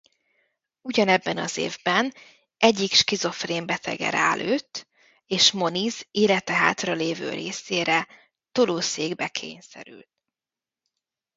Ugyanebben az évben egyik skizofrén betege rálőtt és Moniz élete hátralevő részére tolószékbe kényszerült.